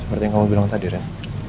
seperti yang kamu bilang tadi ref